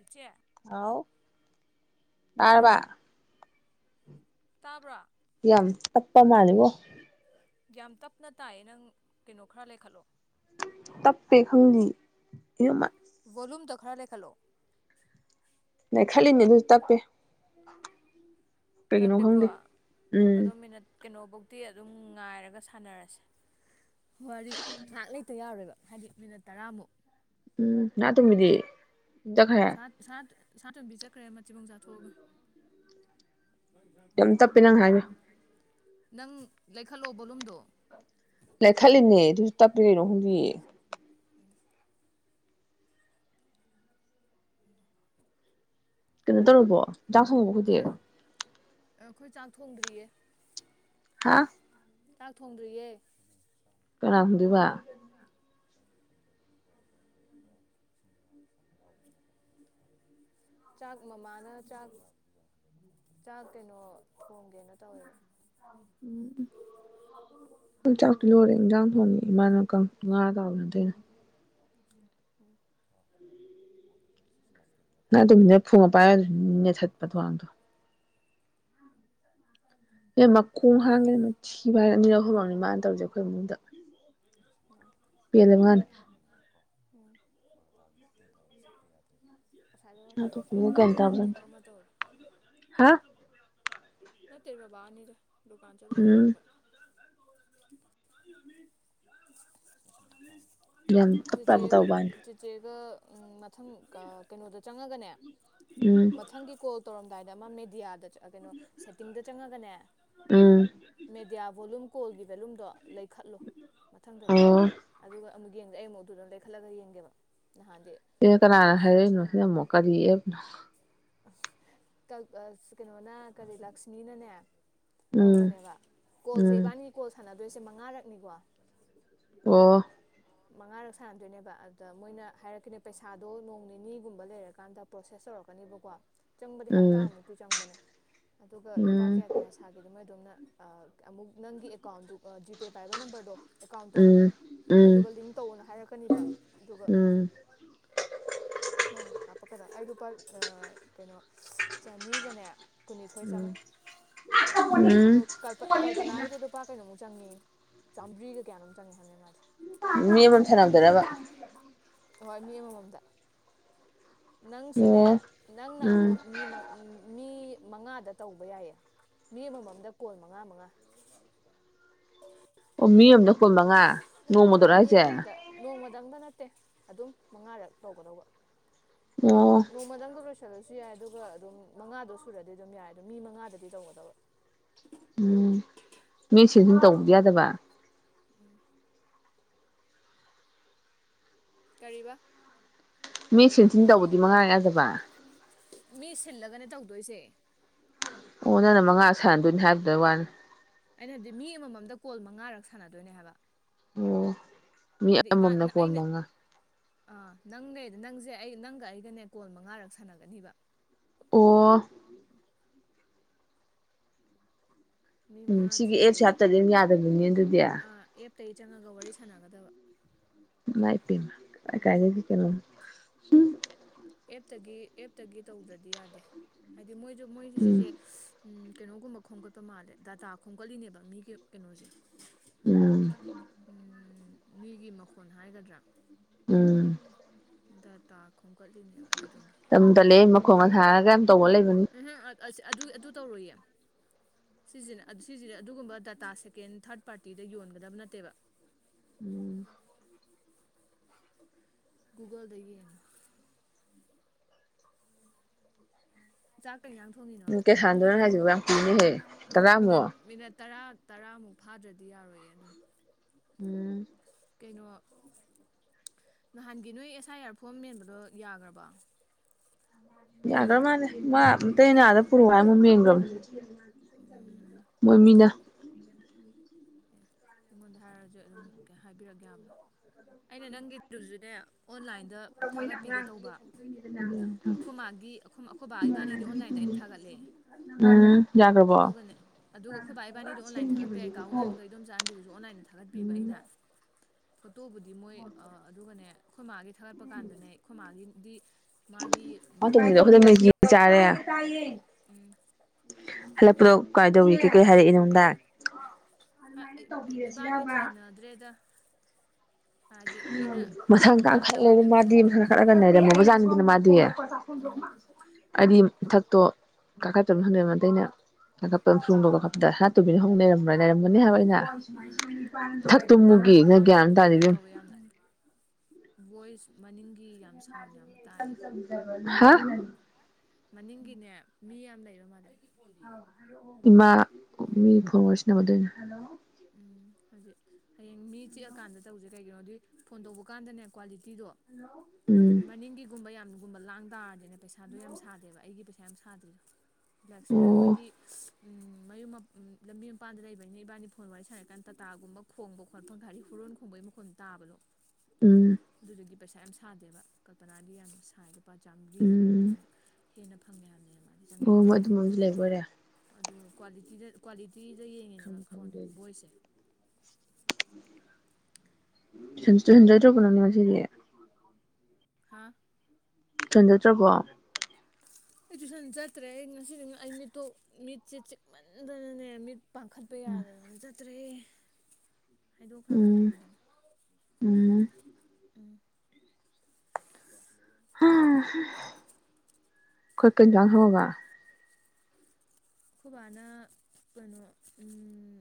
ꯏꯆꯦ ꯍꯥꯎ ꯇꯥꯔꯕ ꯍꯜꯂꯣ ꯇꯥꯕ꯭ꯔꯥ ꯌꯥꯝ ꯇꯞꯄ ꯃꯥꯂꯤꯕꯣ ꯌꯥꯝ ꯇꯞꯅ ꯇꯥꯏꯌꯦ ꯅꯪ ꯀꯩꯅꯣ ꯈꯔ ꯂꯩꯈꯠꯂꯣ ꯇꯞꯄꯦ ꯈꯪꯗꯤꯌꯦ ꯑꯌꯣ ꯃꯥ ꯚꯣꯂꯨꯨꯝꯗꯣ ꯈꯂꯩꯈꯠꯂꯣ ꯂꯩ ꯈꯠꯂꯤꯅꯦ ꯑꯗꯨꯁꯨ ꯇꯞꯄꯦ ꯀꯩꯒꯤꯅꯣ ꯇꯞꯄꯦꯀꯣ ꯈꯪꯗꯦ ꯎꯝ ꯑꯗꯣ ꯃꯤꯅꯠ ꯀꯩꯅꯣꯐꯧꯗꯤ ꯑꯗꯨꯝ ꯉꯥꯏꯔꯒ ꯁꯥꯟꯅꯔꯁꯦ ꯋꯥꯔꯤ [unintelligible] ꯇ ꯌꯥꯔꯣꯏꯕ ꯍꯥꯏꯗꯤ ꯃꯤꯅꯠ ꯇꯔꯥꯃꯨꯛ ꯎꯝ ꯁꯅꯇꯣꯝꯕꯤꯗꯤ ꯆꯠꯈ꯭ꯔꯦ ꯁꯥ ꯁꯥꯅꯇꯣꯟꯕꯤ ꯆꯠꯈ꯭ꯔꯦ ꯃꯊꯤꯕꯣꯡ ꯆꯥꯊꯣꯛꯑꯒ [unintelligible] ꯌꯥꯝ ꯇꯞꯄꯦ ꯅꯪ ꯍꯥꯏꯗꯣ ꯅꯪ ꯂꯩꯈꯠꯂꯣ ꯕꯣꯂꯨꯝꯗꯣ ꯂꯩꯈꯠꯂꯤꯅꯦ ꯑꯗꯨꯝ ꯇꯠꯄꯩ ꯀꯩꯅꯣ ꯈꯪꯗꯤꯌꯦ [inaudible] [inaudible] ꯀꯩꯅꯣ ꯇꯧꯔꯕꯣ ꯆꯥꯛ ꯊꯣꯡꯉꯕꯣ ꯍꯧꯖꯤꯛ ꯑꯩꯈꯣꯏ ꯆꯥꯛ ꯊꯣꯡꯗ꯭ꯔꯤꯌꯦ ꯍꯥ ꯆꯥꯛ ꯊꯣꯡꯗ꯭ꯔꯤꯌꯦ [unintelligible] ꯀꯅꯥꯥ ꯊꯣꯡꯗꯣꯢꯕ [inaudible] ꯆꯥꯛ ꯃꯃꯥꯅ ꯆꯥꯛ ꯆꯥꯛ ꯀꯩꯅꯣ ꯊꯣꯡꯒꯦꯅ ꯇꯧꯔꯤ [inaudible] ꯆꯥꯛꯇꯤ ꯂꯣꯏꯔꯦ ꯏꯟꯖꯥꯡ ꯊꯣꯡꯉ ꯏꯃꯥꯅꯥ ꯉꯥ ꯇꯥꯎꯕ [unintelligible] ꯎꯝ ꯁꯅꯇꯣꯝꯕꯤꯅ ꯐꯣꯟꯒ ꯄꯥꯏꯔ [unintelligible] ꯊꯠꯄ [unintelligible] ꯑꯦ ꯃꯈꯣꯡ ꯑꯣ ꯍꯥꯡꯒꯦꯅ ꯊꯤꯕ ꯑꯅꯤꯔꯛ ꯍꯨꯝꯔꯛꯅꯤ ꯃꯥꯅ ꯇꯧꯔꯤꯁꯦ ꯑꯈꯣꯏ ꯏꯃꯨꯡꯗ ꯄꯦꯜꯂꯦ ꯃꯥꯅ [unintelligible] [unintelligible] ꯉꯁꯥꯏꯗ ꯋꯥ ꯅꯥꯇꯣꯝꯕꯤꯒ ꯒ꯭ꯌꯥꯟ [unintelligible] ꯇꯥꯕꯖꯥꯠ ꯅꯠꯇꯦ ꯊꯕꯛ ꯑꯃ ꯇꯧꯔꯤ ꯍꯥ ꯅꯠꯇꯦ ꯕꯕꯥ ꯅꯤꯗ ꯗꯨꯀꯥꯟ ꯆꯠꯂꯨꯕ ꯎꯝ ꯍꯜꯂꯛꯄ ꯌꯥꯝ ꯇꯞꯇꯥꯞ ꯇꯧꯕꯅꯤ [unintelligible] ꯆꯦꯒ ꯃꯊꯪ ꯀꯩꯅꯣꯗ ꯆꯪꯉꯒꯅꯦ ꯎꯝ ꯃꯊꯪꯒꯤ ꯀꯣꯜ ꯇꯧꯔꯝꯗꯥꯏꯗ ꯑꯃ ꯃꯦꯗꯤꯌꯥꯗ ꯀꯩꯅꯣ ꯁꯦꯠꯇꯤꯡꯗ ꯆꯪꯉꯒꯅꯦ ꯎꯝ ꯃꯦꯗꯤꯌꯥ ꯚꯣꯂꯨꯝ ꯀꯣꯜꯒꯤ ꯚꯦꯂꯨꯝꯗꯣ ꯂꯩꯈꯠꯂꯣ ꯃꯊꯪꯗꯗꯤ ꯑꯣ ꯑꯗꯨꯒ ꯑꯃꯨꯛ ꯌꯦꯡꯗꯦ ꯑꯩ ꯑꯃꯨꯗꯨꯨ ꯑꯗꯨꯝ ꯂꯩꯈꯠꯂꯒ ꯌꯦꯡꯒꯦꯕ ꯅꯍꯥꯟꯗꯤ ꯁꯤꯅ ꯀꯅꯥꯅ ꯍꯥꯏꯔꯛꯏꯅꯣ ꯁꯤꯅ ꯑꯃꯨꯛ ꯀꯔꯤ ꯑꯦꯞꯅꯣ ꯑꯁ ꯀꯩꯅꯣꯅ ꯀꯔꯤ ꯂꯛꯁꯃꯤꯅꯅꯦ ꯎꯝ ꯇꯧꯔꯛꯄꯅꯦꯕ ꯀꯣꯜꯁꯦ ꯎꯝ ꯏꯕꯥꯅꯤ ꯀꯣꯜ ꯁꯥꯟꯅꯗꯣꯏꯁꯦ ꯃꯉꯥꯔꯛꯅꯤꯀꯣ ꯑꯣ ꯃꯉꯥꯔꯛ ꯁꯥꯟꯅꯗꯣꯏꯅꯦꯕ ꯑꯗꯨꯗ ꯃꯣꯏꯅ ꯍꯥꯏꯔꯛꯀꯅꯤ ꯄꯩꯁꯥꯗꯣ ꯅꯣꯡ ꯅꯤꯅꯤꯒꯨꯝꯕ ꯂꯩꯔꯀꯥꯟꯗ ꯄ꯭ꯔꯣꯁꯦꯁ ꯇꯧꯔꯛꯀꯅꯦꯕꯀꯣ ꯆꯪꯕꯗꯤ ꯎꯝ ꯍꯞꯇꯥꯃꯨꯛꯇꯤ ꯆꯪꯕꯅꯦ ꯑꯗꯨꯒ ꯂꯨꯄꯥ ꯎꯝ ꯀꯌꯥ ꯀꯌꯥ ꯁꯥꯒꯗꯦꯗꯣ ꯃꯣꯏꯑꯗꯣꯝꯅ ꯑꯃꯨꯛ ꯅꯪꯒꯤ ꯑꯦꯀꯥꯎꯟꯗꯨ ꯖꯤꯄꯦ ꯄꯥꯏꯕ ꯅꯝꯕꯔꯗꯣ ꯑꯦꯀꯥꯎꯟꯇꯣ ꯎꯝ ꯑꯗꯨꯗꯨꯒ ꯂꯤꯡ ꯇꯧꯑꯣꯅ ꯍꯥꯏꯔꯛꯀꯅꯤꯕ ꯎꯝ ꯑꯗꯨꯒ ꯎꯝ ꯃꯣꯏ ꯍꯥꯞꯄꯛꯀꯗ ꯑꯩ ꯂꯨꯄꯥ ꯀꯩꯅꯣ ꯆꯅꯤꯒꯅꯦ ꯀꯨꯟꯅꯤꯊꯣꯏ ꯎꯝ ꯆꯪꯉꯦ ꯑꯗꯣ ꯎꯝ ꯀꯜꯄꯅꯥꯒꯤꯗꯤ ꯂꯨꯄꯥ ꯀꯩꯅꯣꯃꯨꯛ ꯆꯪꯉꯦꯌꯦ ꯆꯥꯝꯃ꯭ꯔꯤꯒ ꯀꯌꯥꯅꯨꯛ ꯆꯪꯉꯦ ꯍꯥꯏꯕꯅꯤ ꯃꯥꯗꯤ ꯃꯤ [unintelligible] [unintelligible] ꯍꯣꯏ ꯃꯤ ꯑꯃꯃꯝꯗ ꯅꯪꯁꯨꯅꯦ ꯑꯣ ꯅꯪꯅ ꯎꯝ ꯑꯃꯨꯛ ꯃꯤ ꯃ ꯃꯤ ꯃꯉꯥꯗ ꯇꯧꯕ ꯌꯥꯏꯌꯦ ꯃꯤ ꯑꯃꯃꯝꯗ ꯀꯣꯟ ꯃꯉꯥ ꯃꯉꯥ [unintelligible] ꯑꯣ ꯃꯤ ꯑꯝꯗ ꯀꯣꯜ ꯃꯉꯥ ꯑꯥ ꯅꯣꯡꯃꯗꯔꯣ ꯃꯤ ꯍꯥꯏꯖꯦ꯫ ꯑꯃꯃꯝꯗ ꯅꯣꯡꯃꯗꯪꯗ ꯅꯠꯇꯦ ꯑꯗꯨꯝ ꯃꯉꯥꯔꯛ ꯇꯧꯒꯗꯧꯕ ꯑꯣ ꯅꯣꯡꯃꯗꯪꯗ ꯂꯣꯏꯁꯤꯜꯂꯁꯨ ꯌꯥꯏ ꯑꯗꯨꯒ ꯑꯗꯨꯝ ꯃꯉꯥꯗꯣ ꯁꯨꯔꯗꯤ ꯑꯗꯨꯝ ꯌꯥꯏ ꯑꯗꯣ ꯃꯤ ꯃꯉꯥꯗꯗꯤ ꯇꯧꯒꯗꯕꯥ ꯎꯝ ꯃꯤ ꯁꯤꯟ ꯁꯤꯟ ꯇꯧꯕꯗꯤ ꯑꯗꯨꯒꯤ ꯋꯥ ꯌꯥꯗꯕ꯫ ꯎꯝ ꯀꯔꯤꯕ ꯃꯤ ꯁꯤꯟ ꯁꯤꯟ ꯇꯧꯕꯗꯤ ꯃꯉꯥꯔꯛ ꯌꯥꯗꯕ ꯃꯤ ꯁꯤꯟꯂꯒꯅꯦ ꯇꯧꯗꯣꯏꯖꯦ ꯑꯣ ꯅꯪꯅ ꯃꯉꯥꯔꯛ ꯁꯥꯟꯅꯗꯣꯏꯅꯦ ꯍꯥꯏꯕꯗꯨꯗꯋꯥꯅꯦ ꯑꯩꯅ ꯍꯥꯏꯕꯗꯤ ꯃꯤ ꯑꯃꯃꯝꯗ ꯀꯣꯜ ꯃꯉꯥꯔꯛ ꯁꯥꯅꯗꯣꯏꯅꯦ ꯍꯥꯏꯕ ꯑꯣ ꯃꯤ ꯍꯥꯏꯗꯤ ꯑꯃꯃꯝꯅ ꯏꯕꯥꯟ ꯀꯣꯜ ꯑꯩꯅ ꯃꯉꯥ ꯑꯥ ꯅꯪꯅꯦ ꯅꯪꯖꯦ ꯑꯩ ꯅꯪꯒ ꯑꯩꯒꯅꯦ ꯀꯣꯜ ꯃꯉꯥꯔꯛ ꯁꯥꯟꯅꯒꯅꯤꯕ ꯑꯣ ꯃꯤ ꯎꯝ ꯃꯉꯥ ꯁꯤꯒꯤ ꯑꯦꯞꯁꯦ ꯊꯤꯗꯣꯏꯅꯦ ꯍꯥꯞꯇꯗꯤ ꯑꯗꯨꯝ ꯌꯥꯗꯕꯅꯤꯅꯦ ꯑꯗꯨꯗꯤ ꯑꯥ ꯑꯦꯞꯇꯒꯤ ꯆꯪꯉꯒ ꯋꯥꯔꯤ ꯁꯥꯟꯅꯒꯗꯕ ꯏꯃꯥꯏꯄꯦꯝꯃ ꯀꯥꯏ ꯀꯥꯏꯗꯩ ꯀꯩꯅꯣ ꯑꯦꯞꯇꯒꯤ ꯑꯦꯞꯇꯒꯤ ꯇꯧꯗ꯭ꯔꯗꯤ ꯌꯥꯗꯦ ꯍꯥꯏꯗꯤ ꯃꯣꯏꯖꯨ ꯃꯣꯏꯖꯨ ꯎꯝ ꯁꯤꯁꯦ ꯎꯝ ꯀꯩꯅꯣꯒꯨꯝꯕ ꯈꯣꯝꯒꯠꯄ ꯃꯥꯜꯂꯦ ꯗꯥꯇꯥ ꯈꯣꯝꯒꯠꯂꯤꯅꯦꯕ ꯃꯤꯒꯤ ꯀꯩꯅꯣꯖꯦ ꯎꯝ ꯎꯝ ꯃꯤꯒꯤ ꯃꯈꯣꯟ ꯍꯥꯏꯒꯗ꯭ꯔꯥ ꯎꯝ ꯗꯥꯇꯥ ꯈꯣꯝꯒꯠꯂꯤꯅꯦꯕ ꯑꯗꯨꯗꯨꯒꯤ ꯇꯝ ꯇꯜꯂꯦ ꯃꯈꯣꯡꯒ ꯁꯥꯔꯒ ꯌꯥꯝ ꯇꯧꯕ ꯂꯩꯕꯅꯤ ꯎꯝꯍꯨꯝ ꯑꯗ ꯑꯁ ꯑꯗꯨ ꯑꯗꯨ ꯇꯧꯔꯣꯏꯌꯦ ꯁꯤꯖꯤꯅꯦ ꯑ ꯁꯤꯖꯤꯅꯦ ꯑꯗꯨꯒꯨꯝꯕ ꯗꯥꯇꯥ ꯁꯦꯀꯦꯟ ꯊꯥꯔꯠ ꯄꯥꯔꯇꯤꯗ ꯌꯣꯟꯒꯗꯕ ꯅꯠꯇꯦꯕ ꯎꯝ ꯒꯨꯒꯜꯗ ꯌꯦꯡꯉꯣ ꯆꯥꯛ ꯀꯩꯖꯥꯡ ꯊꯣꯡꯉꯤꯅꯣ ꯀꯌꯥ ꯁꯥꯟꯗꯣꯏꯅꯣ ꯍꯥꯏꯁꯤꯕꯨ ꯌꯥꯝ ꯀꯨꯏꯅꯦꯍꯦ ꯃꯤꯅꯠ ꯇꯔꯥꯃꯨꯛ ꯃꯤꯅꯠ ꯇꯔꯥ ꯇꯔꯥꯃꯨꯛ ꯐꯥꯗ꯭ꯔꯗꯤ ꯌꯥꯔꯣꯏꯌꯦ ꯑꯗꯨꯝ ꯎꯝ ꯀꯩꯅꯣ ꯎꯝ ꯅꯍꯥꯟꯒꯤ ꯅꯣꯏ ꯑꯦꯁ ꯑꯥꯏ ꯑꯥꯔ ꯐꯣꯝ ꯃꯦꯟꯕꯗꯣ ꯌꯥꯈ꯭ꯔꯕꯣ ꯌꯥꯒ꯭ꯔꯃꯥꯟꯅꯦ ꯃꯥ ꯃꯇꯩꯩꯅ ꯑꯗꯥ ꯄꯨꯔꯛꯑꯣ ꯍꯥꯏꯔ ꯃꯣꯏ ꯃꯦꯟꯒ꯭ꯔꯕꯅꯦ ꯎꯝ ꯃꯣꯏꯃꯤꯅ ꯑꯦ ꯑꯩꯉꯣꯟꯗ ꯍꯥꯏꯔꯖꯨ ꯑꯗꯨꯝ ꯀꯩ ꯍꯥꯏꯕꯤꯔꯛ ꯌꯥꯕꯗꯣ ꯑꯩꯅ ꯅꯪꯒꯤꯗꯨꯖꯨꯅꯦ ꯑꯣꯟꯂꯥꯏꯟꯗ ꯊꯥꯒꯠꯄꯤꯒꯦ ꯇꯧꯕ ꯑꯈꯣꯏ ꯃꯥꯒꯤ ꯑꯈꯣꯏꯃꯥ ꯑꯈꯣꯏꯕꯥ ꯏꯕꯥꯅꯤꯗꯤ ꯑꯣꯟꯂꯥꯏꯟꯗ ꯑꯩꯅ ꯊꯥꯒꯠꯂꯦ ꯎꯝ ꯌꯥꯒ꯭ꯔꯕꯣ ꯑꯗꯨꯒꯅꯦ ꯑꯗꯨꯒ ꯑꯈꯣꯏꯕꯥ ꯏꯕꯥꯅꯤꯗꯣ ꯑꯣꯟꯂꯥꯏꯟ ꯊꯥꯒꯠꯄꯤꯔꯦ [unintelligible] ꯏꯟꯗꯣꯝꯆꯥ ꯑꯟꯗꯤꯖꯨ ꯑꯣꯟꯂꯥꯏꯟꯗ ꯊꯥꯒꯠꯄꯤꯌꯦꯕ ꯎꯝ ꯑꯩꯅ ꯐꯣꯇꯣꯕꯨꯗꯤ ꯃꯣꯏ ꯑꯥ ꯑꯗꯨꯒꯅꯦ ꯑꯩꯈꯣꯏ ꯃꯥꯒꯤꯗꯨ ꯊꯥꯒꯠꯄꯀꯥꯟꯗꯅꯦ ꯑꯈꯣꯏ ꯃꯥꯒꯤꯗꯤ ꯃꯥꯒꯤ ꯎꯝ ꯃꯥ ꯇꯣꯝꯕꯤꯗꯣ ꯑꯩꯈꯣꯏꯗ ꯑꯗꯥꯔꯒꯤ [unintelligible] [unintelligible] ꯍꯜꯂꯛꯄꯗꯣ ꯀꯥꯏꯗꯧꯔꯤꯗꯤ ꯀꯩ ꯍꯥꯏꯔꯛꯏ ꯅꯪꯉꯣꯟ [unintelligible] ꯍꯥ ꯏ ꯏꯕꯥꯅꯤ ꯊꯦꯡꯅꯗ꯭ꯔꯦꯗ ꯍꯥꯏꯗꯤ ꯑꯩꯅ ꯑꯃ ꯍꯜꯂꯛꯄꯩꯗꯣ [unintelligible] ꯃꯥꯗꯤ ꯇꯨꯏꯁꯟ ꯇꯧꯔꯦ [unintelligible] ꯂꯩꯔꯝꯃꯤꯕ ꯖꯥꯠꯅꯤꯗꯅ ꯃꯥꯗꯤ ꯎꯝ ꯑꯩꯗꯤ ꯃꯊꯛꯇꯣ ꯀꯥꯈꯠꯇꯕ [unintelligible] [unintelligible] ꯊꯛꯇꯨꯃꯨꯒꯤꯅ ꯅꯪ ꯒ꯭ꯌꯥꯟ ꯅꯪꯗꯣ ꯑꯃ ꯇꯥꯗꯦ ꯏꯕꯦꯝ [unintelligible] ꯌꯥꯝꯅ ꯚꯣꯏꯁ ꯃꯅꯤꯡꯒꯤ ꯌꯥꯝ ꯁꯥ ꯍꯥ [unintelligible] ꯃꯅꯤꯡꯒꯤꯅꯦ ꯃꯤ ꯌꯥꯝ ꯂꯩꯕ ꯃꯥꯜꯂꯦ [unintelligible] ꯏꯃꯥ ꯃꯤ ꯐꯣꯟ ꯋꯥꯔꯤ ꯁꯥꯅꯕ ꯑꯗꯨꯏꯅꯦ ꯎꯝ ꯍꯧꯖꯤꯛ ꯍꯌꯦꯡ ꯃꯤ ꯆꯤꯛꯑꯀꯥꯟꯗ ꯇꯧꯖꯦ ꯀꯩꯒꯤꯅꯣꯗꯤ ꯐꯣꯟ ꯇꯧꯕ ꯀꯥꯟꯗꯅꯦ ꯀ꯭ꯋꯥꯂꯤꯇꯤꯗꯣ ꯎꯝ ꯃꯅꯤꯡꯒꯤꯒꯨꯝꯕ ꯌꯥꯝꯒꯨꯝꯕ ꯂꯥꯡ ꯇꯥꯔꯗꯤꯅꯦ ꯄꯩꯁꯥꯗꯣ ꯌꯥꯝ ꯁꯥꯗꯦꯕ ꯑꯩꯒꯤ ꯄꯩꯁꯥ ꯌꯥꯝ ꯁꯥꯗ꯭ꯔꯤꯗꯣ ꯂꯛꯁꯃꯤ ꯑꯣ ꯍꯣꯏꯗꯤ ꯎꯝ ꯃꯌꯨꯝ ꯃꯞ ꯎꯝ ꯂꯝꯕꯤ ꯃꯄꯥꯟꯗ ꯂꯩꯕꯅꯤꯅ ꯏꯕꯥꯅꯤ ꯐꯣꯟ ꯋꯥꯔꯤ ꯁꯥꯔꯤꯀꯥꯟ ꯇꯥꯇꯥꯒꯨꯝꯕ ꯈꯣꯡꯕ ꯈꯣꯠꯄ ꯒꯥꯔꯤ ꯍꯣꯔꯣꯟ ꯈꯣꯡꯕꯒꯤ ꯃꯈꯣꯟ ꯇꯥꯕꯗꯣ ꯎꯝ ꯗꯨꯗꯨꯒꯤ ꯄꯩꯁꯥ ꯌꯥꯝ ꯁꯥꯗꯦꯕ ꯀꯜꯄꯅꯥꯗꯤ ꯌꯥꯝꯅ ꯁꯥꯥꯏ ꯂꯨꯄꯥ ꯎꯝ ꯆꯥꯝꯃꯔꯤꯃꯨꯛ ꯍꯦꯟꯅ ꯐꯪꯉꯦ ꯍꯥꯏꯕꯅꯦ ꯃꯥꯗꯤ ꯆꯪꯉꯛꯑꯦ ꯑꯣ ꯃꯣꯏ ꯍꯥꯏꯕꯅꯦꯕ ꯑꯗꯨꯝꯕ ꯑꯃꯁꯨ ꯂꯩꯕ ꯑꯣꯏꯔꯦ ꯑꯗꯨ ꯀ꯭ꯋꯥꯂꯤꯇꯤꯗ ꯀ꯭ꯋꯥꯂꯤꯇꯤꯗ ꯌꯦꯡꯉꯤꯅꯦꯕ ꯈꯪꯕꯨ ꯐꯣꯟ ꯈꯪꯗꯦ ꯑꯩꯗꯤ ꯕꯣꯏꯁꯁꯦ [unintelligible] ꯍꯥꯥ ꯆꯟꯅꯗ꯭ꯔꯕꯣ ꯑꯩ ꯇꯨꯏꯁꯟ ꯆꯠꯇ꯭ꯔꯦ ꯑꯩ ꯉꯁꯤꯗꯤ ꯑꯩ ꯃꯤꯠꯇꯣ ꯃꯤꯠꯁꯦ ꯆꯤꯛꯃꯟꯗꯅꯅꯦ ꯃꯤꯠ ꯄꯥꯡꯈꯠꯄ ꯌꯥꯗꯗꯅ ꯆꯠꯇ꯭ꯔꯦ ꯍꯥꯏꯗꯣꯛꯈ꯭ꯔꯃꯤ ꯎꯝ ꯇꯟꯗꯅ ꯎꯝ ꯎꯝ [unintelligible] [unintelligible] ꯑꯩꯈꯣꯏ ꯀꯩꯏꯟꯖꯥꯡ ꯊꯣꯉꯕ ꯑꯩꯈꯣꯏ ꯕꯥꯅ ꯀꯩꯅꯣ ꯎꯝ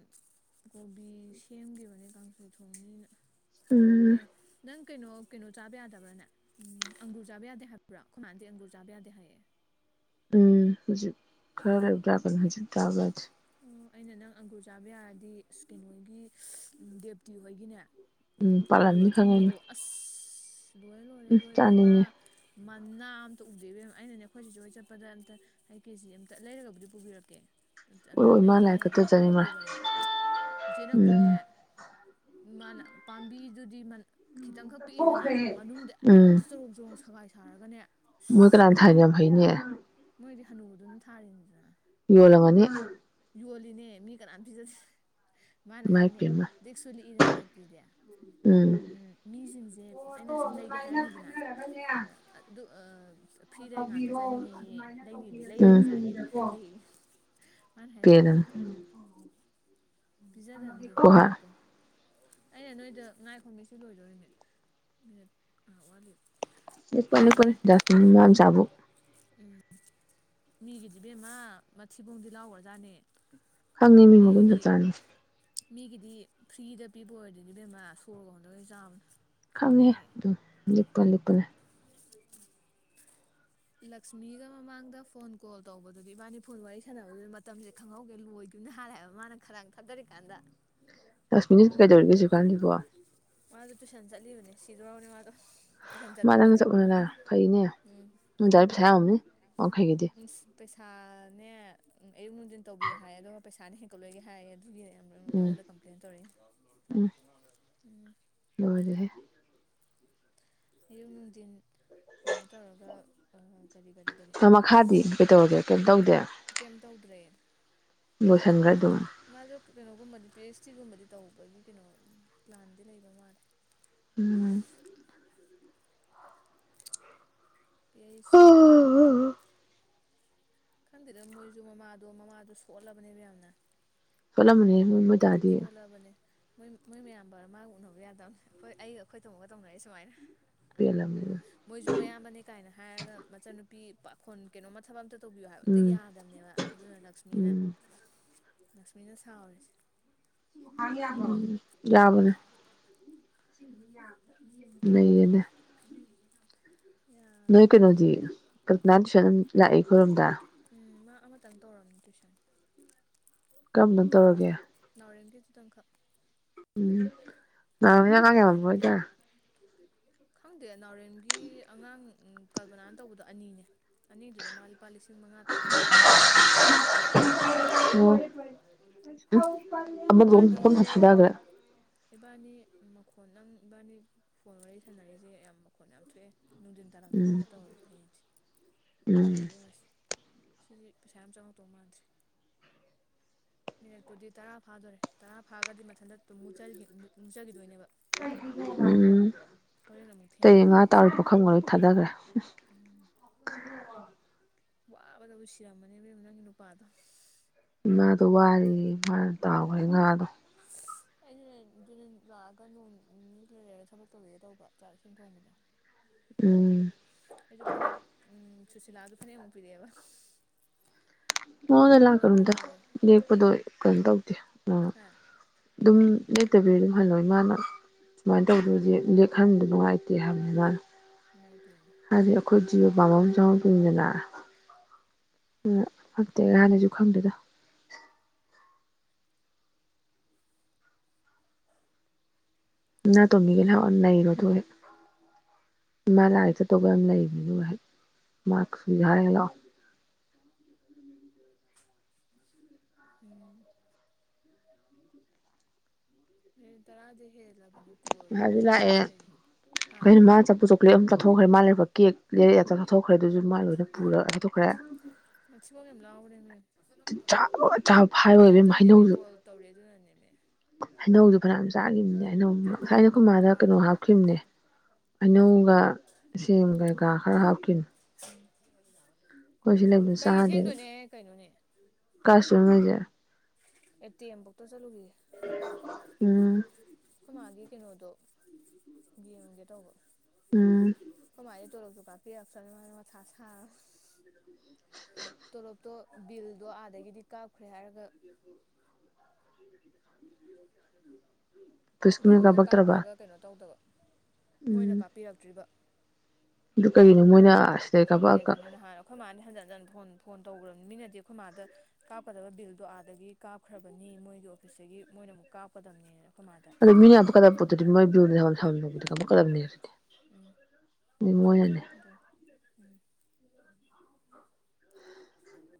ꯀꯣꯕꯤ ꯁꯦꯝꯈꯤꯕꯅꯦ ꯀꯥꯡꯁꯣꯏ ꯊꯣꯡꯅꯤꯅ ꯎꯝ ꯑꯦ ꯅꯪ ꯀꯩꯅꯣ ꯀꯩꯅꯣ ꯆꯥꯕ ꯌꯥꯗꯕ꯭ꯔꯥꯅꯦ ꯎꯝ ꯑꯪꯒꯨꯔ ꯆꯥꯕ ꯌꯥꯗꯦ ꯍꯥꯏꯕ꯭ꯔꯥ ꯈꯨꯣꯏꯃꯥꯅꯗꯤ ꯑꯪꯒꯨꯔ ꯆꯥꯕ ꯌꯥꯗꯦ ꯍꯥꯏꯌꯦ ꯎꯝ ꯍꯧꯖꯤꯛ ꯈꯔ ꯂꯩꯕ [unintelligible] ꯍꯧꯖꯤꯛ ꯆꯥꯕ ꯌꯦꯗꯦ ꯑꯣ ꯑꯩꯅ ꯅꯪ ꯑꯪꯒꯨꯔ ꯆꯥꯕ ꯌꯥꯔꯗꯤ ꯑꯁ ꯀꯩꯅꯣꯍꯣꯏꯒꯤ ꯗꯦꯞꯇꯤ ꯍꯣꯏꯒꯤꯅꯦ ꯎꯝ ꯑꯪꯒꯨꯔ ꯄꯥꯜꯂꯝꯅꯤ ꯈꯪꯉꯦꯅꯦ ꯑꯊꯨꯝꯕꯗꯣ ꯑꯁ ꯂꯣꯏꯔꯦ ꯂꯣꯏꯔꯦ ꯎꯝ ꯂꯣꯏ ꯏꯕꯦꯝꯃ ꯆꯥꯅꯤꯡꯉꯦ ꯃꯅꯥ ꯑꯝꯇ ꯎꯗꯦ ꯏꯕꯦꯃ ꯑꯩꯅꯅꯦ ꯑꯩꯈꯣꯏ ꯆꯤꯆꯦ ꯍꯣꯏ ꯆꯠꯄꯗ ꯑꯝꯇ ꯑꯩ ꯀꯦꯖꯤ ꯑꯝꯇ ꯂꯩꯔꯒꯕꯨꯗꯤ ꯄꯨꯕꯤꯔꯛꯀꯦ ꯑꯝꯇ ꯎꯔꯣꯏ ꯃꯥ ꯂꯥꯏꯔꯤꯛ ꯂꯩꯒꯦꯅꯗꯤ ꯀꯠꯇ ꯆꯥꯅꯤꯡꯉꯣꯏ ꯍꯥꯏꯈꯤꯕꯅꯦ ꯏꯆꯦ ꯅꯪꯕꯨꯅꯦ ꯎꯝ ꯃꯥꯅ ꯄꯥꯝꯕꯤꯗꯨꯗꯤ ꯈꯤꯇꯪꯈꯛ ꯄꯤꯛꯏꯗꯅ ꯃꯅꯨꯡꯗ ꯍꯦꯛꯇ ꯎꯝ ꯆꯔꯣꯡ ꯆꯔꯣꯡ ꯁꯒꯥꯏ ꯁꯥꯔꯒꯅꯦ ꯃꯣꯏ ꯑꯁ ꯀꯅꯥꯅ ꯂꯣꯏ ꯊꯥꯏꯅꯣ ꯂꯣꯏꯔꯦ ꯌꯥꯝ ꯍꯩꯅꯦ ꯃꯣꯏꯗꯤ ꯍꯅꯨꯕꯗꯨꯅ ꯊꯥꯔꯤꯅꯤꯗꯅ ꯌꯣꯂꯝꯒꯅꯤ ꯌꯣꯜꯂꯤꯅꯦ ꯃꯤ ꯀꯅꯥꯝꯇ ꯄꯤꯖꯗꯦ ꯃꯥꯅ ꯏꯃꯥꯏ ꯍꯥꯏꯅꯦ ꯄꯦꯝꯃ ꯂꯤꯛꯁꯨ ꯂꯤꯛꯏꯗꯅ ꯗꯦꯞꯇꯤꯗꯦ ꯎꯝ ꯃꯤꯖꯤꯡꯖꯦ ꯑꯩꯅ ꯁꯨꯝ ꯂꯩꯒꯦ ꯍꯥꯏꯔꯝꯃꯤꯗꯅ ꯑꯗ ꯑꯗꯨ ꯑꯥ ꯐ꯭ꯔꯤꯗ ꯉꯥꯛꯇ ꯇꯧꯕꯤꯔꯣ ꯆꯥꯅꯤꯡꯉꯤꯌꯦ ꯑꯗꯨꯃꯥꯏꯅ ꯂꯩꯅꯤꯗꯤ ꯂꯩꯔꯒ ꯇꯧꯕꯤꯔꯁꯦ ꯆꯥꯒꯦꯗꯤ ꯅꯤꯅꯀꯣ ꯈꯟꯗꯦ ꯌꯦ ꯃꯥꯅ ꯍꯥꯏꯔꯩꯕ꯫ ꯄꯦꯜꯂꯝꯅꯤ ꯄꯤꯖꯥꯗꯝꯅꯤ ꯍꯣꯏ [unintelligible] ꯍꯣꯏ ꯂꯤꯛꯄ ꯑꯩꯅ ꯅꯣꯏꯗ ꯉꯥꯏꯈꯣꯃꯤꯁꯤ ꯂꯣꯏꯗꯣꯔꯦꯃꯤ ꯃꯤꯅꯤꯠ ꯉꯥꯍꯥꯛ ꯋꯥꯠꯂꯤ꯫ ꯂꯥꯛꯄꯅꯤ ꯂꯤꯛꯄꯅꯤ [unintelligible] ꯎꯝ ꯃꯤꯒꯤꯗꯤ ꯕꯦꯝꯃ ꯃꯊꯤꯕꯣꯡꯗꯤ ꯂꯥꯎꯒ꯭ꯔꯖꯥꯠꯅꯦ꯫ ꯈꯪꯉꯤ ꯃꯤ ꯃꯒꯨꯟ ꯆꯞ ꯃꯤꯒꯤꯗꯤ ꯆꯥꯅ꯫ ꯃꯤꯒꯤꯗꯤ ꯐ꯭ꯔꯤꯗ ꯄꯤꯕ ꯑꯣꯏꯔꯗꯤꯅꯦ ꯏꯕꯦꯝꯃ ꯁꯣꯔꯒ ꯍꯣꯟꯗꯒꯩ ꯆꯥꯕꯅꯤ꯫ ꯈꯪꯉꯦ ꯑꯗꯨꯝ ꯂꯤꯛꯄ ꯂꯤꯛꯄꯅꯦ꯫ ꯂꯛꯁꯃꯤꯒ ꯃꯃꯥꯡꯗ ꯐꯣꯟ ꯀꯣꯜ ꯇꯧꯕꯗꯨꯗꯤ ꯏꯕꯥꯅꯤ ꯐꯣꯟ ꯋꯥꯔꯤ ꯁꯥꯟꯅꯕꯗꯨ ꯃꯇꯝꯁꯦ ꯈꯪꯍꯧꯒꯦ ꯂꯣꯏꯒꯤꯝꯅ ꯍꯥꯜꯂꯦ ꯍꯥꯏꯕ ꯃꯥꯅ ꯈꯗꯥꯡ ꯊꯥꯗꯔꯤꯀꯥꯟꯗ꯫ ꯂꯛꯁꯃꯤ ꯀꯩꯗꯧꯔꯤꯒꯦ ꯍꯧꯖꯤꯛꯀꯥꯟꯖꯤꯕꯣ? ꯃꯥꯗꯣ ꯇꯨꯏꯁꯟ ꯆꯠꯂꯤꯕꯅꯦ ꯁꯤꯗꯣꯔꯕꯅꯦ ꯃꯥꯗꯣ꯫ ꯇꯨꯏꯁꯟ ꯃꯥ ꯆꯠꯄꯗ ꯅꯪꯅ ꯆꯠꯂꯨꯅꯗ ꯐꯩꯅꯦ ꯎꯝ [unintelligible] ꯋꯥꯡꯈꯩꯒꯤꯗꯤ [unintelligible] ꯄꯩꯁꯥꯅꯦ ꯑꯌꯨꯛ ꯅꯨꯡꯗꯤꯟ ꯇꯧꯕꯤꯌꯨ ꯍꯥꯏ ꯑꯗꯨꯒ ꯄꯩꯁꯥꯅ ꯍꯦꯟꯀꯠꯂꯣꯏꯒꯦ ꯍꯥꯏꯌꯦ꯫ [unintelligible] ꯎꯝ ꯑꯩꯉꯣꯟꯗ ꯀꯝꯄ꯭ꯂꯦꯟ ꯇꯧꯔꯛꯏ ꯎꯝ ꯎꯝ꯫ ꯂꯣꯏꯔꯦꯍꯦ! ꯑꯌꯨꯛ ꯅꯨꯡꯗꯤꯟ ꯀꯩꯅꯣ ꯇꯧꯔꯒ ꯀꯔꯤ ꯀꯔꯤ ꯀꯔꯤ ꯃꯈꯥꯗꯤ ꯀꯩꯗꯧꯔꯒꯦ ꯀꯩꯝ ꯇꯧꯗꯦ? ꯀꯩꯝ ꯇꯧꯗ꯭ꯔꯦ꯫ ꯂꯣꯏꯁꯟꯒ꯭ꯔꯦ ꯑꯗꯨꯝ꯫ ꯃꯥꯁꯨ ꯀꯩꯅꯣꯒꯨꯝꯕꯗꯤ ꯄꯤ ꯑꯩꯆ ꯗꯤꯒꯨꯝꯕꯗꯤ ꯇꯧꯕꯒꯤ ꯀꯩꯅꯣ ꯄ꯭ꯂꯥꯟꯗꯤ ꯂꯩꯕ ꯃꯥꯜꯂꯦ꯫ ꯎꯝ ꯄꯤ ꯑꯩꯆ ꯗꯤ ꯈꯪꯗꯦꯗ ꯃꯣꯏꯖꯨ ꯃꯃꯥꯗꯣ ꯃꯃꯥꯗꯣ ꯁꯣꯜꯂꯕꯅꯦꯕ ꯌꯥꯝꯅ꯫ [unintelligible] ꯁꯣꯜꯂꯕꯅꯦ ꯃꯣꯏ ꯃꯣꯏ ꯃꯌꯥꯝꯕ ꯃꯥ ꯎꯅꯕ ꯌꯥꯗꯝꯅꯤ ꯑꯈꯣꯏ ꯑꯩꯒ ꯑꯈꯣꯏ ꯇꯝꯃꯣꯒ ꯇꯧꯅꯔꯤ ꯁꯨꯃꯥꯏꯅ꯫ ꯄꯦꯜꯂꯝꯅꯤꯗ ꯃꯣꯏꯖꯨ ꯃꯌꯥꯝꯕꯅꯦ ꯀꯥꯏꯅ ꯍꯥꯏꯔꯒ ꯃꯆꯟꯅꯨꯄꯤ ꯄꯥꯈꯣꯟ ꯀꯩꯅꯣꯃ ꯊꯕꯛ ꯑꯝꯇ ꯇꯧꯕꯤꯌꯨ ꯍꯥꯏꯕ ꯑꯝꯇ ꯎꯝ ꯌꯥꯗꯝꯅꯦꯕ ꯑꯗꯨꯅ ꯂꯛꯁꯃꯤꯅ ꯎꯝ ꯂꯛꯁꯃꯤꯅ ꯁꯥꯎꯔꯤꯁꯦ꯫ [unintelligible] ꯌꯥꯕꯅꯦ ꯅꯩꯔꯦꯅꯦ꯫ ꯌꯥꯗ ꯅꯣꯏ ꯑꯩꯈꯣꯏ ꯀꯩꯅꯣꯗꯤ ꯀꯜꯄꯅꯥ ꯇꯨꯏꯁꯟ ꯂꯥꯛꯑꯦ ꯑꯩꯈꯣꯏꯔꯣꯝꯗ꯫ ꯎꯝ ꯃꯥ ꯑꯃꯇꯪ ꯇꯧꯔꯝꯅꯤ ꯇꯨꯏꯁꯟ꯫ ꯀꯔꯝꯕ ꯇꯧꯔꯒꯦ? ꯅꯥꯎꯔꯦꯝꯒꯤ ꯗꯨ ꯇꯪ ꯈꯛ꯫ ꯎꯝ ꯅꯥꯎꯔꯦꯝꯒꯤ ꯑꯉꯥꯡ ꯌꯥꯝꯃꯝꯃꯔꯣꯏꯗ꯫ ꯈꯪꯗꯦ ꯅꯥꯎꯔꯦꯝꯒꯤ ꯑꯉꯥꯡ ꯎꯝ ꯀꯜꯄꯅꯥꯅ ꯇꯧꯕꯗꯣ ꯑꯅꯤꯅꯦ꯫ ꯑꯅꯤꯗꯨꯗ ꯃꯥ ꯂꯨꯄꯥ ꯂꯤꯁꯤꯡ ꯃꯉꯥ ꯇꯔꯨꯛꯇꯤ ꯐꯪꯉꯝꯒꯅꯤ꯫ ꯑꯣ ꯑꯃꯗꯣ ꯏꯕꯥꯅꯤ ꯄꯨꯡꯊꯥ ꯊꯥꯗꯈ꯭ꯔꯦ ꯏꯕꯥꯅꯤ ꯃꯈꯣꯟ ꯅꯪ ꯏꯕꯥꯅꯤ ꯐꯣꯟ ꯋꯥꯔꯤ ꯁꯥꯟꯅꯔꯤꯖꯦ ꯌꯥꯝ ꯃꯈꯣꯟ ꯌꯥꯝ ꯊꯣꯛꯑꯦ ꯅꯨꯡꯗꯤꯟ ꯎꯝ ꯇꯥꯜꯂꯛꯇꯒꯨꯝꯕ ꯇꯧꯔꯖꯤ ꯍꯌꯦꯡꯁꯦ ꯎꯝ ꯌꯥꯕ꯭ꯔ ꯌꯦꯡꯉꯁꯤ ꯫ ꯁꯤꯗꯤ ꯄꯩꯁꯥ ꯌꯥꯝ ꯆꯥꯎꯉꯛꯇꯧ ꯃꯥꯟꯗ꯭ꯔꯦ ꯃꯤꯅꯠꯄꯨꯗꯤ ꯇꯔꯥ ꯐꯥꯗꯣꯔꯦ ꯇꯔꯥ ꯐꯥꯒꯗꯤ ꯃꯊꯟꯇ ꯇꯨꯝ ꯃꯨꯠꯆ ꯃꯨꯛꯆꯒꯤꯗꯣꯏꯅꯦꯕ꯫ ꯎꯝ ꯑꯃꯨꯛ ꯊꯦꯡꯉꯒ [unintelligible] ꯄꯨꯈꯝꯒ ꯂꯣꯏ ꯊꯥꯗꯒ꯭ꯔꯦ꯫ ꯎꯝ [unintelligible] ꯋꯥꯕꯗꯕꯨ ꯁꯤꯔꯝꯃꯅꯦ ꯏꯕꯦꯝꯃ ꯅꯪꯒꯤ ꯅꯨꯄꯥꯗꯣ ꯏꯃꯥꯗꯣ ꯋꯥꯔꯦ ꯃꯥꯅ ꯇꯥꯎꯈ꯭ꯔꯦ ꯉꯥꯗꯣ [unintelligible] ꯑꯩꯗꯨꯅꯦ ꯑꯗꯨꯅ ꯂꯥꯛꯑꯒ ꯅꯣꯡ ꯅꯤꯅꯤ ꯂꯩꯔꯒ ꯊꯕꯛ ꯇꯧꯕꯤꯒꯦ ꯇꯧꯕ ꯆꯥꯛ ꯏꯁꯤꯡ ꯊꯣꯡꯕꯗꯣ ꯎꯝ ꯑꯩꯁꯨ ꯐꯅꯦꯛ ꯎꯝ ꯁꯨꯁꯤꯂꯥꯗ ꯐꯅꯦꯛ ꯑꯃꯨꯛ ꯄꯤꯔꯛꯑꯦꯕ ꯑꯗꯨ ꯃꯉꯣꯟꯗ ꯂꯥꯛꯀꯅꯨꯗ ꯂꯣꯟꯒꯦꯇꯧꯕ ꯂꯦꯛꯄꯗꯣ ꯀꯩꯅꯣ ꯇꯧꯗꯦ ꯍꯥ ꯑꯗꯨꯝ ꯂꯦꯛꯇꯕꯤꯔ ꯑꯗꯨꯝ ꯍꯜꯂꯣ ꯏꯃꯥꯅ ꯁꯨꯃꯥꯏꯅ ꯇꯧꯗ꯭ꯔꯗꯤ ꯂꯦꯛꯍꯟꯕ ꯅꯨꯡꯉꯥꯏꯇꯦ ꯍꯥꯏꯕꯅꯤ ꯃꯥꯅ ꯏꯃꯥꯏꯄꯦꯝꯃ ꯍꯥꯏꯗꯤ ꯑꯩꯈꯣꯏ ꯖꯤꯕ ꯄꯥꯡꯕ ꯑꯃ ꯆꯪꯍꯧꯗꯣꯏꯅꯤꯗꯅ ꯍꯛꯇꯦꯒ ꯍꯥꯟꯅꯁꯨ ꯈꯪꯗꯦꯗ [unintelligible] ꯏꯃꯥ ꯂꯥꯏꯒꯤ ꯆꯠꯇꯧꯕ ꯌꯥꯝ ꯂꯩꯕꯅꯤꯅꯦ [unintelligible] ꯍꯥꯏꯔꯒ ꯂꯥꯛꯑꯣ ꯎꯝ ꯃꯤꯅꯠ ꯇꯔꯥꯗꯤ ꯍꯦꯜꯂꯕꯅꯤ ꯀꯣꯜꯁꯦ ꯍꯥꯏꯕꯗꯤ ꯃꯨꯠꯇꯔꯤꯁꯦ ꯀꯩꯒꯤꯅꯣ ꯍꯥ ꯄ꯭ꯂꯦꯠ ꯑꯃꯝ ꯇꯥꯊꯣꯛꯈ꯭ꯔꯦ ꯃꯥꯟꯂꯦꯕ ꯀꯦꯛ ꯂꯩꯔꯛ ꯆꯥꯊꯣꯛꯈ꯭ꯔꯦ ꯑꯗꯨꯁꯨ ꯃꯥ ꯄꯨꯔꯒꯥ ꯆꯥꯊꯣꯛꯈ꯭ꯔꯦ ꯃꯥꯊꯤꯕꯣꯡ ꯌꯥꯝ ꯂꯥꯎꯕꯅꯦꯃꯦ ꯆꯥꯕꯒ ꯆꯥꯕ ꯐꯥꯏꯕꯒ ꯏꯕꯦꯝꯃ ꯆꯠꯇꯣꯏꯅꯦꯃꯦ ꯀꯣꯜ ꯇꯧꯔꯦ ꯑꯗꯨꯅꯅꯦꯃꯦ ꯍꯩꯅꯧꯗꯨ ꯐꯅꯌꯥꯝ ꯆꯥꯈꯤꯕꯅꯦ ꯍꯩꯅꯧ ꯇꯨꯌꯦꯜꯞ ꯉꯁꯥꯏꯅ ꯃꯤꯅꯠꯄꯨꯗꯤ ꯈꯣꯏꯃꯥꯗ ꯀꯩꯅꯣ ꯐꯥꯗꯣꯔꯦ ꯍꯥꯞꯈꯤꯕꯅꯦ ꯍꯩꯅꯧꯒ ꯁꯦꯝ ꯀꯩꯀꯥ ꯈꯔ ꯍꯥꯞꯈꯤꯅꯤ [unintelligible] ꯂꯩꯕꯗꯣ ꯀꯔꯤꯒꯤ ꯆꯥꯗꯦꯕ ꯊꯦꯡꯗꯣꯏꯅꯦ ꯀꯩꯅꯣꯅꯦ ꯀꯥꯏ ꯆꯠꯇꯣꯏꯅꯣ ꯅꯣꯏꯁꯦ ꯑꯦꯇꯤꯑꯦꯝ ꯕꯣꯛꯇ ꯆꯠꯂꯨꯈꯤꯒꯦ ꯎꯝ ꯈꯣꯏꯃꯥꯒꯤ ꯀꯩꯅꯣꯗꯣ ꯌꯦꯡꯉꯨꯒꯦ ꯇꯧꯕ ꯎꯝ ꯈꯣꯏꯃꯥꯒꯤ ꯇꯣꯂꯣꯞꯁꯨꯨ ꯀꯥꯄꯤꯔꯛꯇꯔꯦ ꯃꯥꯁꯨ ꯃꯊ ꯁꯥꯔꯝꯅꯦ ꯇꯣꯂꯣꯞꯇꯣ ꯕꯤꯜꯗꯣ ꯑꯥꯗꯒꯤꯗꯤ ꯀꯥꯞꯈ꯭ꯔꯦ ꯍꯥꯏꯔꯒ ꯄꯨꯁꯀꯨꯝꯕ ꯕꯤꯜꯗꯣ ꯀꯥꯄꯛꯇ꯭ꯔꯕ ꯀꯥꯞꯈ꯭ꯔꯒ ꯀꯩꯅꯣ ꯇꯧꯗꯕ ꯃꯣꯏꯅ ꯎꯝ ꯀꯥꯞꯄꯤꯔꯛꯇ꯭ꯔꯤꯕ ꯑꯗꯨ ꯀꯩꯒꯤꯅꯣ ꯃꯣꯏꯅ ꯑꯁ ꯈꯪꯗꯦ ꯑꯗꯨꯅꯤ ꯅꯍꯥꯟ ꯑꯩꯈꯣꯏ ꯃꯥꯅ ꯍꯟꯖꯤꯟ ꯍꯟꯖꯤꯟ ꯐꯣꯟ ꯇꯧꯈ꯭ꯔꯕꯅꯤ ꯃꯤꯅꯗꯤ ꯑꯩꯈꯣꯏ ꯃꯥꯗ ꯀꯥꯞꯀꯗꯕ ꯕꯤꯜꯗꯣ ꯑꯥꯗꯒꯤ ꯀꯥꯞꯈ꯭ꯔꯕꯅꯤ ꯃꯣꯏꯒꯤ ꯑꯣꯐꯤꯁꯇꯒꯤ ꯃꯣꯏꯅ ꯑꯃꯨꯛ ꯀꯥꯞꯀꯗꯕꯅꯦꯅ ꯑꯩꯈꯣꯏ ꯃꯥꯗ ꯑꯗꯣ ꯃꯤꯅ [unintelligible] ꯎꯝ ꯑꯗꯨ ꯃꯣꯏꯅꯅꯦ ꯑꯗꯨꯅꯦ ꯎꯝ [inaudible]